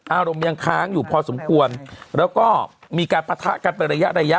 อารมณ์ยังค้างอยู่พอสมควรแล้วก็มีการปะทะกันเป็นระยะระยะ